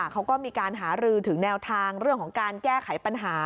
เขาก็มีการหารือถึงแนวทางเรื่องของการแก้ไขปัญหา